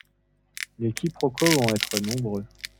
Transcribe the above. Les quiproquos vont être nombreux...